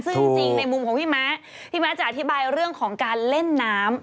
ซึ่งจริงในมุมของพี่ม้าพี่ม้าจะอธิบายเรื่องของการเล่นน้ำ